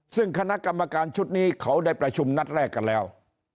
ซึ่งคณะกรรมการชุดนี้เขาได้ประชุมนัดแรกกันแล้ว